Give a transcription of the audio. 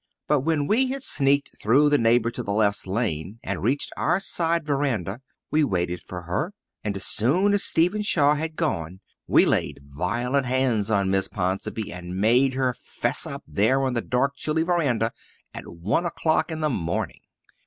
But when we had sneaked through the neighbour to the left's lane and reached our side verandah we waited for her, and as soon as Stephen Shaw had gone we laid violent hands on Miss Ponsonby and made her 'fess up there on the dark, chilly verandah, at one o'clock in the morning.